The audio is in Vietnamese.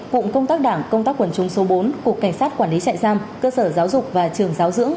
cụm công tác đảng công tác quần chúng số bốn cục cảnh sát quản lý trại giam cơ sở giáo dục và trường giáo dưỡng